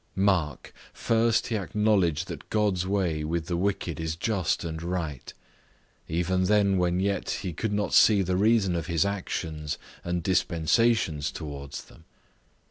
Mark, first he acknowledgeth that God's way with the wicked is just and right, even then when yet he could not see the reason of his actions and dispensations towards them.